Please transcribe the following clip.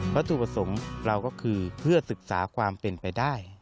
วัตถุประสงค์เราก็คือเพื่อศึกษาความเป็นไปได้